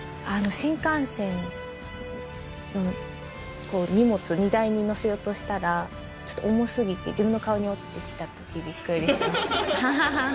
新幹線の、荷物、荷台に載せようとしたら、ちょっと重すぎて、自分の顔に落ちてきたとき、びっくりしました。